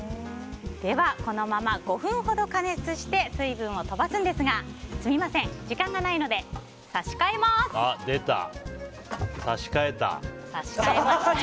ではこのまま５分ほど加熱して水分を飛ばすんですがすみません、時間がないので差し替えます。